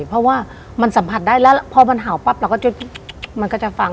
เพราะว่ามันสัมผัสได้แล้วพอมันเห่าปั๊บเราก็จะมันก็จะฟัง